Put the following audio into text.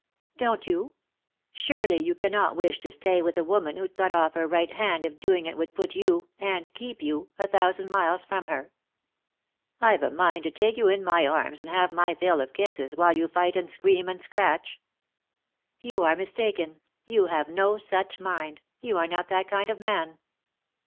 " Don't you ? Surely you cannot wish to stay with a woman who'd cut off her right hand if doing it would put you— and keep you— a thousand miles from her." "I've a mind to take you in my arms and have my fill of kisses, while you fight and scream and scratch." " You are mistaken ; you have no such mind — you are not that kind of man."